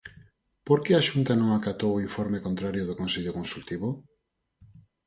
Por que a Xunta non acatou o informe contrario do Consello Consultivo?